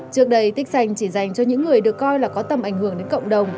trước đây tích xanh chỉ dành cho những người được coi là có tầm ảnh hưởng đến cộng đồng